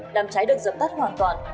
đàm cháy được dập tắt hoàn toàn